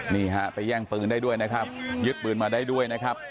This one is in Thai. นี่ฮะไปแย่งปืนได้ด้วยนะครับยึดปืนมาได้ด้วยนะครับ